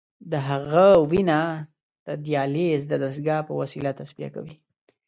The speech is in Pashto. د هغه وینه د دیالیز د دستګاه په وسیله تصفیه کوي.